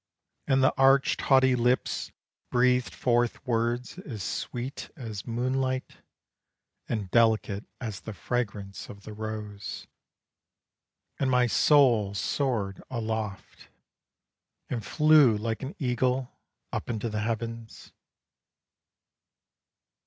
And the arched, haughty lips Breathed forth words as sweet as moonlight, And delicate as the fragrance of the rose. And my soul soared aloft, And flew like an eagle up into the heavens.